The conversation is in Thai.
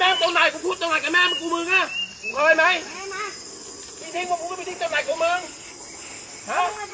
เย็นดีก่อนว่าทางแล้วก่อนว่าที่เขาอยู่ที่ไหน